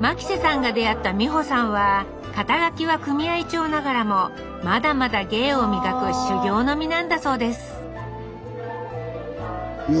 牧瀬さんが出会った美保さんは肩書は組合長ながらもまだまだ芸を磨く修業の身なんだそうです美保